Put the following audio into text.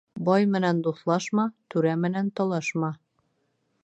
Бай менән дуҫлашма, түрә менән талашма.